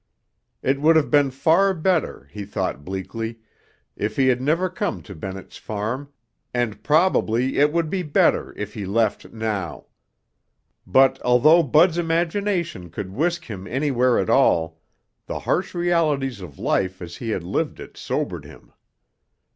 It would have been far better, he thought bleakly, if he had never come to Bennett's Farm and probably it would be better if he left now. But although Bud's imagination could whisk him anywhere at all, the harsh realities of life as he had lived it sobered him.